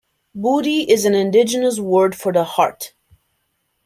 Bouddi is an indigenous word for the heart.